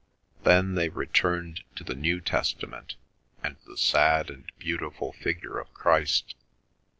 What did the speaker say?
Then they returned to the New Testament and the sad and beautiful figure of Christ.